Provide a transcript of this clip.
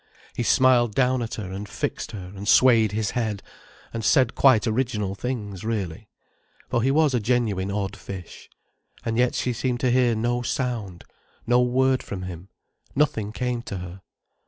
He smiled down at her and fixed her and swayed his head, and said quite original things, really. For he was a genuine odd fish. And yet she seemed to hear no sound, no word from him: nothing came to her.